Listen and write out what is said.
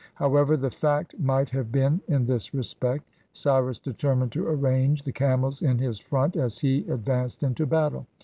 How 321 PERSIA ever the fact might have been in this respect, C)rrus determined to arrange the camels in his front as he ad vanced into battle.